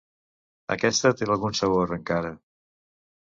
Aquesta té algun sabor, encara.